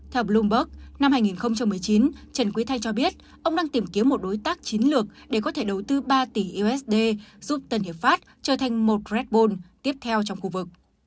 theo bloomberg năm hai nghìn một mươi chín trần quý thanh cho biết ông đang tìm kiếm một đối tác chiến lược để có thể đầu tư ba tỷ usd giúp tân hiệp pháp trở thành một bretbol tiếp theo trong khu vực